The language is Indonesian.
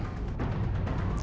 ya baik baik saja